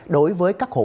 đối với các tổ chức